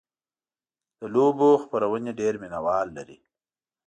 د لوبو خپرونې ډېر مینهوال لري.